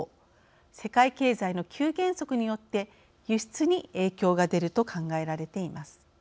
世界経済の急減速によって輸出に影響が出ると考えられています。